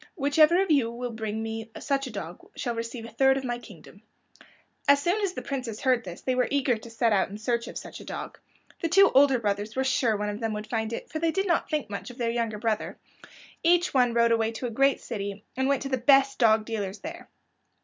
Whichever of you will bring me such a dog shall receive a third of my kingdom." As soon as the princes heard this they were eager to set out in search of such a dog. The two older brothers were sure one of them would find it, for they did not think much of their younger brother. Each one rode away to a great city, and went to the best dog dealers there.